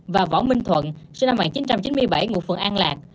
và võ minh thuận sinh năm một nghìn chín trăm chín mươi bảy ngụ phường an lạc